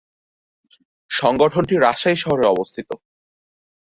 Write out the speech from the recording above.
সংগঠনটি রাজশাহী শহরে অবস্থিত।